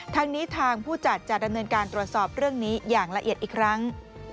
ทางนี้ทางผู้จัดจะดำเนินการตรวจสอบเรื่องนี้อย่างละเอียดอีกครั้ง